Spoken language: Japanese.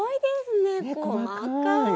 ね細かい！